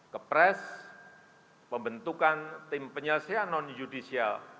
kepres pembentukan tim penyelesaian non judicial